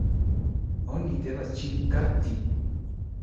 Oni devas ŝin kapti!